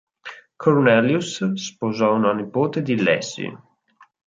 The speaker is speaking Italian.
Cornelius sposò una nipote di Lacy.